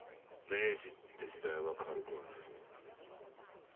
明治って時代は軽くはないぞ。